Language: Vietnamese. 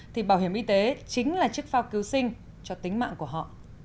thì bảo hiểm y tế chính là chiếc phao cứu sinh cho tính mạng của họ